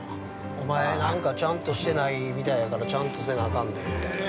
おまえ、なんか、ちゃんとしてないみたいやからちゃんとせなあかんでみたいな。